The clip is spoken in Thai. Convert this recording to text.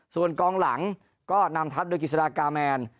ส่วนกองหลังก็นำทัพโดยกิจสดากาแมน